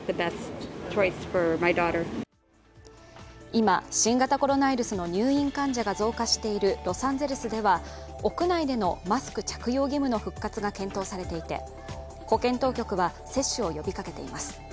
今、新型コロナの入院患者が増加しているロサンゼルスでは屋内でのマスク着用義務の復活が検討されていて、保健当局は接種を呼びかけています。